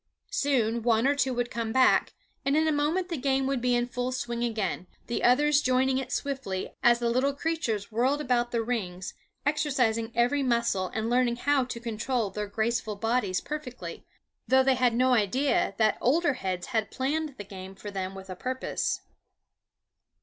Soon one or two would come back, and in a moment the game would be in full swing again, the others joining it swiftly as the little creatures whirled about the rings, exercising every muscle and learning how to control their graceful bodies perfectly, though they had no idea that older heads had planned the game for them with a purpose.